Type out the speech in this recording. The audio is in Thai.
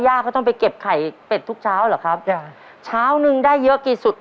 ก็ต้องไปเก็บไข่เป็ดทุกเช้าเหรอครับจ้ะเช้านึงได้เยอะกี่สุด